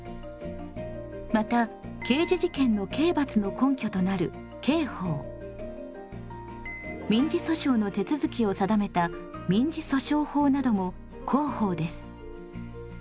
また刑事事件の刑罰の根拠となる刑法民事訴訟の手続きを定めた民事訴訟法なども公法です。